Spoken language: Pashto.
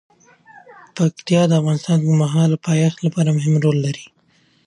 پکتیا د افغانستان د اوږدمهاله پایښت لپاره مهم رول لري.